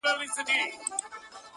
د هارون حکیمي د دې شعري ټولګي